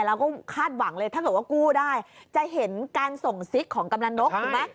แล้วก็คาดหวังเลยถ้าเกิดว่ากู้ได้จะเห็นการส่งซิกของกำลังนกถูกไหม